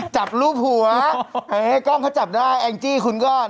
จับรูปหัวเฮ้กล้องเขาจับได้แอลกจี้คุณก็นะฮะ